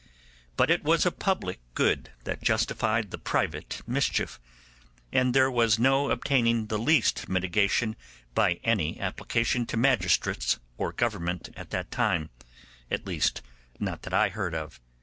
But it was a public good that justified the private mischief, and there was no obtaining the least mitigation by any application to magistrates or government at that time, at least not that I heard of.